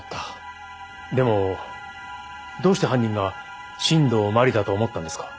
でもどうして犯人が新道真理だと思ったんですか？